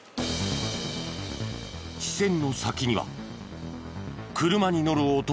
視線の先には車に乗る男が２人。